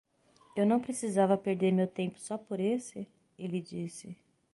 "Eu não precisava perder meu tempo só por esse?" ele disse.